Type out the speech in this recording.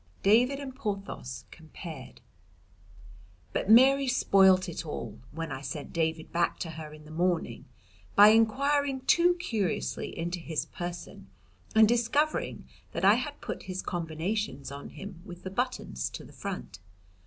XX. David and Porthos Compared But Mary spoilt it all, when I sent David back to her in the morning, by inquiring too curiously into his person and discovering that I had put his combinations on him with the buttons to the front.